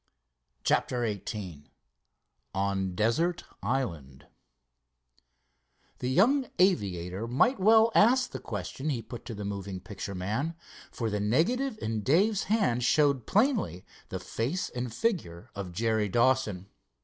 CHAPTER XVIII ON DESERT ISLAND The young aviator might well ask the question he put to the moving picture man, for the negative in Dave's hand showed plainly the face and figure of Jerry Dawson.